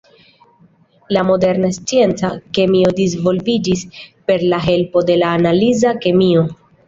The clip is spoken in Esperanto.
La moderna scienca kemio disvolviĝis per la helpo de la analiza kemio.